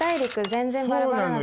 全然バラバラな所。